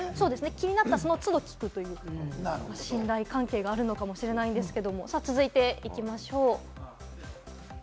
気になったら、その都度聞くっていう信頼関係があるのかもしれないんですけれども、続いていきましょう。